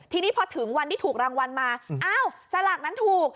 ทีนี้พอถึงวันที่ถูกรางวัลมาอ้าวสลากนั้นถูก